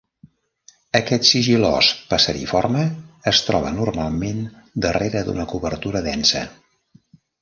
Aquest sigil·lós passeriforme es troba normalment darrere d'una cobertura densa.